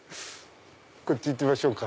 こっち行ってみましょうか。